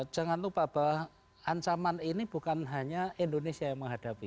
jangan lupa bahwa ancaman ini bukan hanya indonesia yang menghadapi